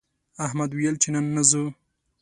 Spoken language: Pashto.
احمد ویل چې نن نه ځو